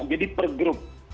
jadi per grup